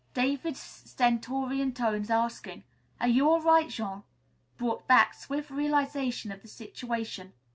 David's stentorian tones asking, "Are you all right, Jean?" brought back swift realization of the situation.